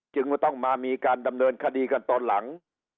จึงต้องมามีการดำเนินคดีกันตอนหลัง